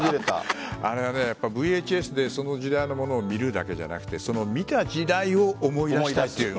ＶＨＳでその時代のものを見るだけじゃなくて見た時代を思い出したいという。